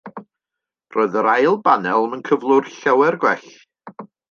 Roedd yr ail banel mewn cyflwr llawer gwell.